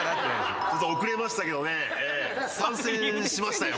遅れましたけどね参戦しましたよ